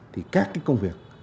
thì các cái công việc